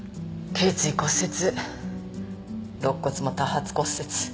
頸椎骨折肋骨も多発骨折。